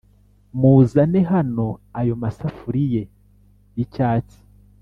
Muzane hano ayo Ma safuriye yi cyatsi